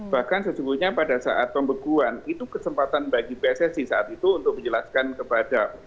bahkan sesungguhnya pada saat pembekuan itu kesempatan bagi pssi saat itu untuk menjelaskan kepada